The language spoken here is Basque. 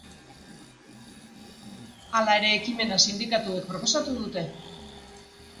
Hala ere, ekimena sindikatuek proposatu dute.